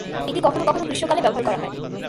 এটি কখনও কখনও গ্রীষ্মকালে ব্যবহার করা হয়।